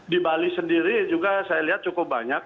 di bali sendiri juga saya lihat cukup banyak